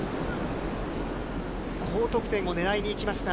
高得点を狙いにいきました。